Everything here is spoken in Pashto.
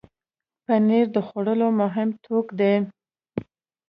پنېر د خوړو مهم توکی دی.